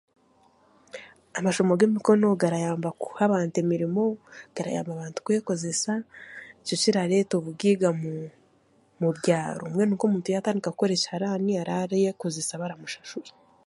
Amashomo g'emikono garayamba kuha abaantu emiriimo, garayamba abaantu kwekozesa ekyo kirareta obugaiga omu byaaro, mbwenu nk'omuntu yatandika kukora ekiharaani araba arekozeesa baramushashura.